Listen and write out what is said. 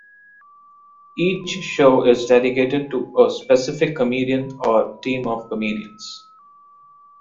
Each show is dedicated to a specific comedian or team of comedians.